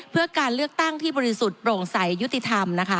เพื่อการเลือกตั้งที่บริสุทธิ์โปร่งใสยุติธรรมนะคะ